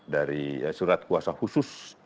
dari surat kuasa khusus